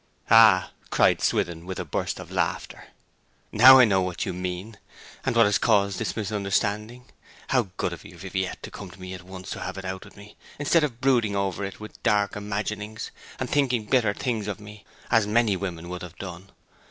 'Ah!' cried Swithin, with a burst of laughter. 'Now I know what you mean, and what has caused this misunderstanding! How good of you, Viviette, to come at once and have it out with me, instead of brooding over it with dark imaginings, and thinking bitter things of me, as many women would have done!'